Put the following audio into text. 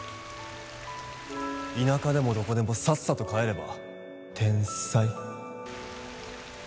田舎でもどこでもさっさと帰れば？